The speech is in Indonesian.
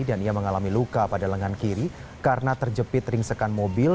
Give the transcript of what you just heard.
dan ia mengalami luka pada lengan kiri karena terjepit ring sekan mobil